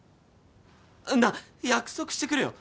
なあ約束してくれよ。